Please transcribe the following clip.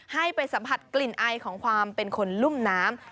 ให้ไปสัมผัสกลิ่นไอของความเป็นคนลุ่มน้ำ